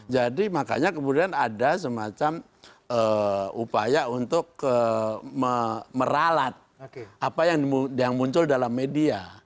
jadi makanya kemudian ada semacam upaya untuk meralat apa yang muncul dalam media